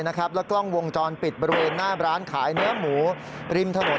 และกล้องวงจรปิดบริเวณหน้าร้านขายเนื้อหมูริมถนน